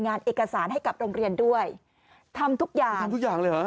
เอกสารให้กับโรงเรียนด้วยทำทุกอย่างทำทุกอย่างเลยเหรอ